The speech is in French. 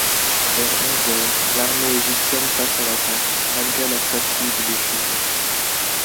Vers onze heures, l’armée égyptienne passe à l’attaque malgré la fatigue des chevaux.